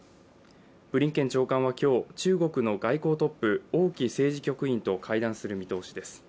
ブリンケン長官は今日中国の外交トップ王毅政治局員と会談する見通です。